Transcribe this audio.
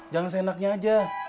jangan seenaknya aja